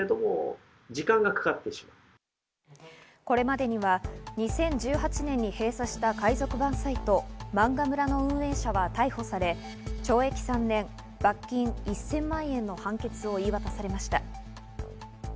これまでには２０１８年に閉鎖した海賊版サイト、漫画村の運営者は逮捕され、懲役３年、罰金１０００万円の判決を言い渡されました。